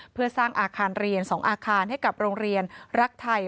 เพื่อสร้างอาคารเรียน๒อาคารให้กับโรงเรียนรักไทย